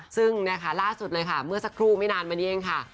ซึ่งนะคะล่าสุดเลยค่ะเมื่อสักครู่ไม่นานมานี้เองค่ะ